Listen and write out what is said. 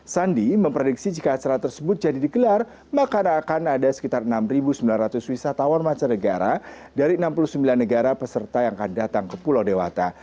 sandi memprediksi jika acara tersebut jadi digelar maka akan ada sekitar enam sembilan ratus wisatawan mancanegara dari enam puluh sembilan negara peserta yang akan datang ke pulau dewata